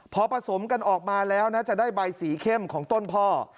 พอผสมกันออกมาแล้วนะจะได้ใบสีเข้มของต้นพ่อ